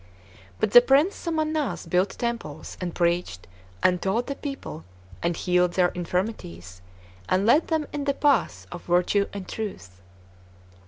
But the Prince Somannass built temples, and preached, and taught the people, and healed their infirmities, and led them in the paths of virtue and truth.